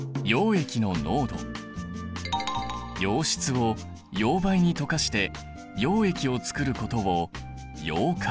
溶質を溶媒に溶かして溶液をつくることを溶解という。